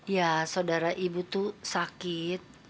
ya saudara ibu tuh sakit